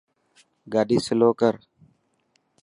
گاڏي سلو ڪر.